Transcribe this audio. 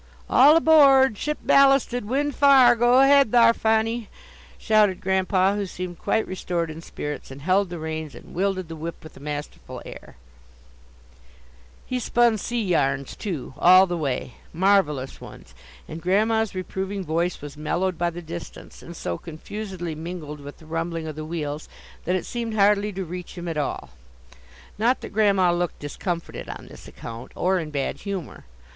"All aboard! ship ballasted! wind fa'r! go ahead thar', Fanny!" shouted Grandpa, who seemed quite restored in spirits, and held the reins and wielded the whip with a masterful air. He spun sea yarns, too, all the way marvelous ones, and Grandma's reproving voice was mellowed by the distance, and so confusedly mingled with the rumbling of the wheels, that it seemed hardly to reach him at all. Not that Grandma looked discomfited on this account, or in bad humor.